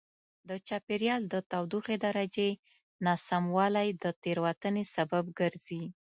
د چاپېریال د تودوخې درجې ناسموالی د تېروتنې سبب ګرځي.